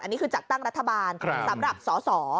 อันนี้คือจัดตั้งรัฐบาลสำหรับสอสอ